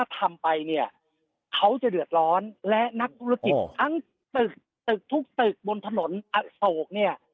ทั้งตึกทุกตึกบนถนนสะโหกเนี่ย